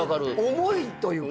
重いというか。